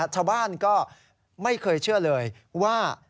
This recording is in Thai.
ชาวบ้านก็ไม่เคยเชื่อเลยว่า